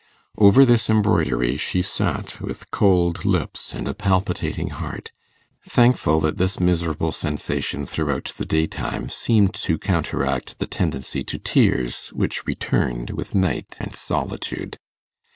Over this embroidery she sat with cold lips and a palpitating heart, thankful that this miserable sensation throughout the daytime seemed to counteract the tendency to tears which returned with night and solitude.